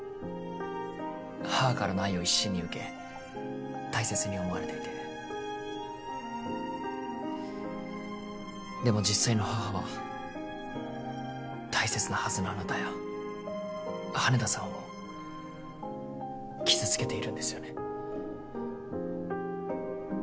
母からの愛を一身に受け大切に思われていてでも実際の母は大切なはずのあなたや羽田さんを傷つけているんですよね